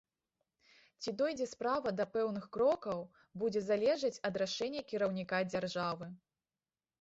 Ці дойдзе справа да пэўных крокаў, будзе залежаць ад рашэння кіраўніка дзяржавы.